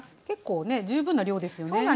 結構ね十分な量ですよね？